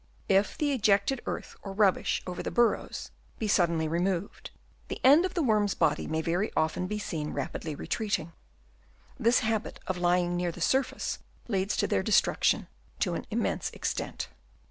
If the ejected earth or rubbish over the barrows be suddenly removed, the end of the worm's body may very often be seen rapidly retreating. This habit of lying near the surface leads to their destruction to an immense extent.